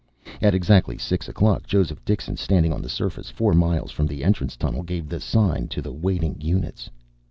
At exactly six o'clock Joseph Dixon, standing on the surface four miles from the entrance tunnel, gave the sign to the waiting units.